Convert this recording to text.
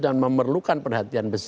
dan memerlukan perhatian praktis